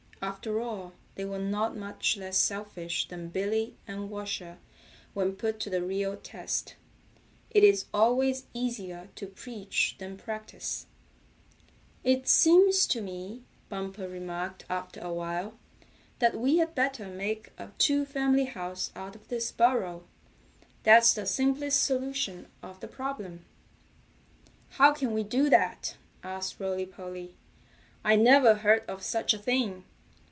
After all they were not much less selfish than Billy and Washer when put to the real test. It is always easier to preach than practice. "It seems to me," Bumper remarked after a while, "that we'd better make a two family house out of this burrow. That's the simplest solution of the problem." "How can we do that?" asked Rolly Polly. "I never heard of such a thing.